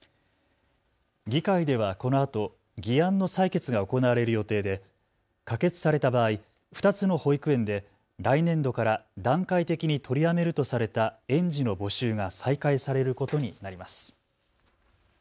議会ではこのあと議案の採決が行われる予定で可決された場合、２つの保育園で来年度から段階的に取りやめるとされた園児の募集が再開されることになります。